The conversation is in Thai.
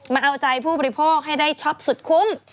มาเอาใจผู้บริโภคให้ได้ช็อปสุดคุ้ม